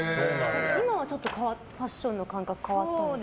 今はちょっとファッションの感覚変わったんですか？